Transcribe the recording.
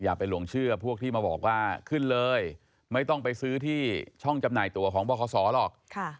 อย่าไปหลงเชื่อพวกที่มาบอกว่าขึ้นเลยไม่ต้องไปซื้อที่ช่องจำหน่ายตัวของบคศหรอก